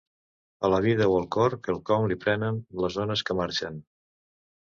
A la vida o al cor quelcom li prenen les ones que marxen.